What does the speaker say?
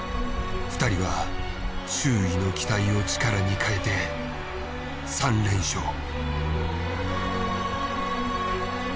２人は周囲の期待を力に変えて３連勝。